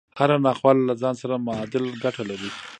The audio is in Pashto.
هره ناخواله له ځان سره معادل ګټه لري